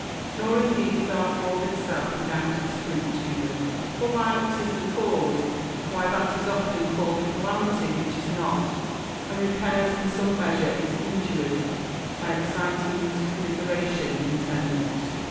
Nor indeed is our fall itself without its fruit to them : for violence is the cause why that is often called a ctalamity which is not, and repairs in some measure its injuries by exciting to commiseration and tenderness.